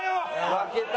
負けた。